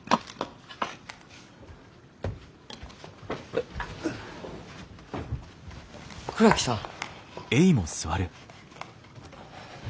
え倉木さん。